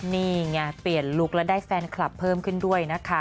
นี่ไงเปลี่ยนลุคแล้วได้แฟนคลับเพิ่มขึ้นด้วยนะคะ